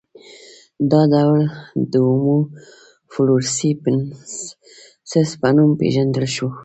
دا ډول د هومو فلورسي ینسیس په نوم پېژندل شو.